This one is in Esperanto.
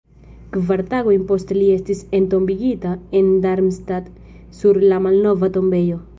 Kvar tagojn poste li estis entombigita en Darmstadt sur la malnova tombejo.